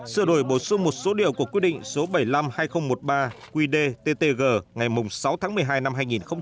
sửa đổi bổ sung một số điều của quy định số bảy mươi năm hai nghìn một mươi ba qdttg ngày sáu tháng một mươi hai năm hai nghìn một mươi